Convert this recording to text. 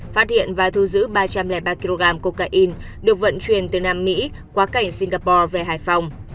phát hiện và thu giữ ba trăm linh ba kg cocaine được vận chuyển từ nam mỹ quá cảnh singapore về hải phòng